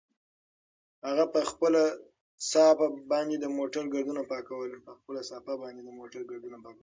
هغه په خپله صافه باندې د موټر ګردونه پاکول.